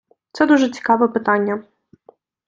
Це дуже цікаве питання.